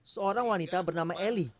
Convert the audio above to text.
seorang wanita bernama eli